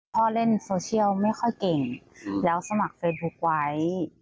เล่นโซเชียลไม่ค่อยเก่งแล้วสมัครเฟซบุ๊คไว้